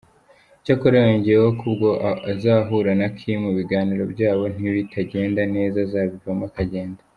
Icyakora yongeyeho ko ubwo azahura na Kim, ibiganiro byabo nibitagenda neza azabivamo akagenda.